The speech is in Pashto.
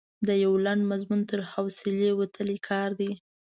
د یو لنډ مضمون تر حوصلې وتلی کار دی.